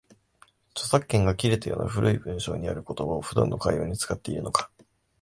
著作権が切れたような古い文章にある言葉を、普段の会話に使っているのか